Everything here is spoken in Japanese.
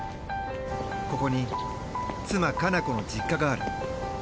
ここに妻華菜子の実家がある。